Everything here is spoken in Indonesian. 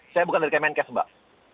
saya bukan dari kemenkes mbak